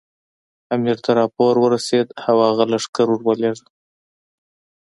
امیر ته راپور ورسېد او هغه لښکر ورولېږه.